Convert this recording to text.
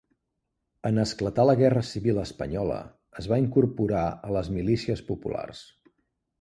En esclatar la guerra civil espanyola, es va incorporar a les Milícies Populars.